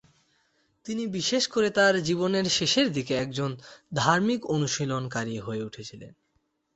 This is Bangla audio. তিনি বিশেষ করে তার জীবনের শেষের দিকে একজন ধার্মিক অনুশীলনকারী হয়ে উঠেছিলেন।